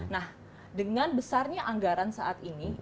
nah dengan besarnya anggaran saat ini